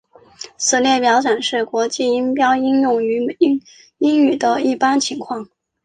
此列表展示国际音标应用在英语的一般情况。